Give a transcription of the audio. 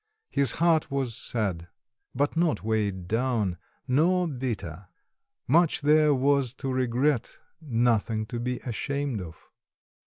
His heart was sad, but not weighed down, nor bitter; much there was to regret, nothing to be ashamed of.